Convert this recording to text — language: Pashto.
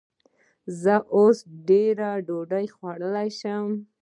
ایا زه اوس ډوډۍ خوړلی شم؟